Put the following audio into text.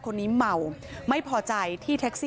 กลับมารับทราบ